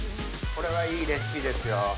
これはいいレシピですよ。